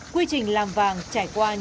quy trình làm vàng trải qua nhiều năm